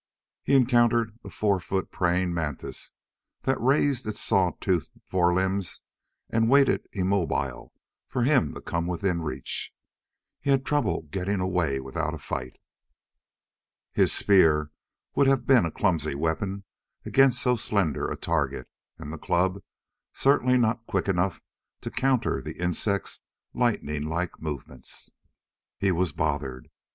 He encountered a four foot praying mantis that raised its saw toothed forelimbs and waited immobile for him to come within reach. He had trouble getting away without a fight. His spear would have been a clumsy weapon against so slender a target and the club certainly not quick enough to counter the insect's lightning like movements. He was bothered.